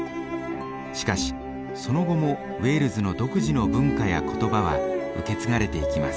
しかしその後もウェールズの独自の文化や言葉は受け継がれていきます。